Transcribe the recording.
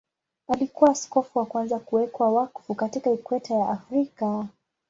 Alikuwa askofu wa kwanza kuwekwa wakfu katika Ikweta ya Afrika.